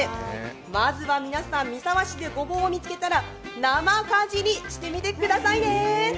まずは皆さん、三沢市でごぼうを見つけたら、生かじりしてみてくださいね。